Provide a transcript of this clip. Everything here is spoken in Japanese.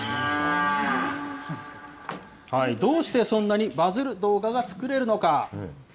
どうしてそんなにバズる動画が作れるのか。